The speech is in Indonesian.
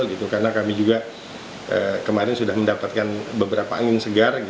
karena kami juga kemarin sudah mendapatkan beberapa angin segar